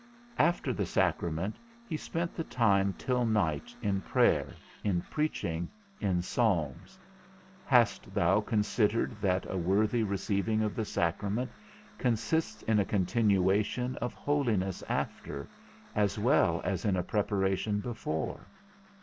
After the sacrament he spent the time till night in prayer, in preaching, in psalms: hast thou considered that a worthy receiving of the sacrament consists in a continuation of holiness after, as well as in a preparation before?